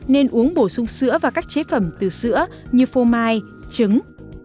nên uống bổ sung sữa và các chế phẩm từ sữa như phô mai trứng